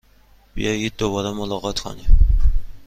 بیایید دوباره ملاقات کنیم!